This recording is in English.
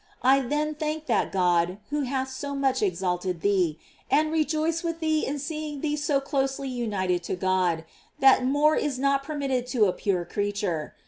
I then thank that God who hath so much exalted thee, and rejoice with thee in seeing thee BO closely united to God, that more is not per mitted to a pure creature.